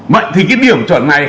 vậy thì cái điểm chuẩn này